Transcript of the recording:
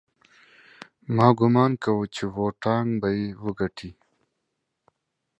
'Cause I figured that Wu-Tang was gonna win.